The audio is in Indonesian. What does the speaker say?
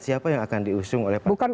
siapa yang akan diusung oleh partai itu